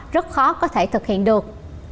rất khó có thể thực hiện được